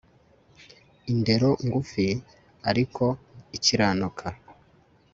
Indero ngufi ariko ikiranuka